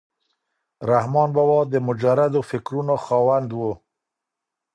رحمان بابا د مجردو فکرونو خاوند و.